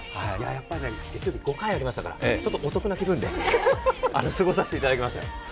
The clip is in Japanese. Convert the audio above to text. やっぱり月曜日、５回ありましたからお得な気分で過ごさせていただきました。